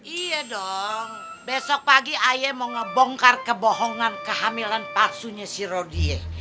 iya dong besok pagi ayah mau ngebongkar kebohongan kehamilan palsunya si rodiah